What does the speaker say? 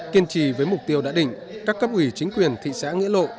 kiên trì với mục tiêu đã định các cấp ủy chính quyền thị xã nghĩa lộ